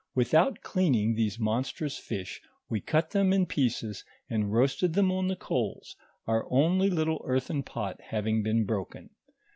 Without cleaning these monstrous fish we cut them in pieces, and roasted them on the coals, our onl^r little earthen pot having been broken.